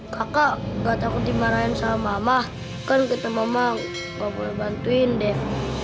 kakak nggak takut dimarahin sama mama kan kita mama nggak boleh bantuin dev